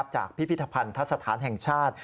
จากพิพิธพันธสถานแห่งชาติ